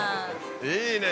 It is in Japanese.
いいね！